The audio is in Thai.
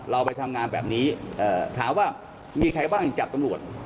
เราไปทำงานแบบนี้ถามว่ามีใครบ้างจับตำรวจ